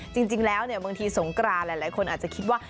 จริงแล้วบางทีสงกรานหลายคนอาจจะคิดว่า